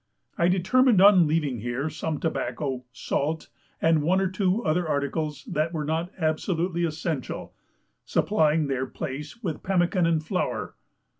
I determined on leaving here some tobacco, salt, and one or two other articles that were not absolutely essential, supplying their place with pemmican and flour.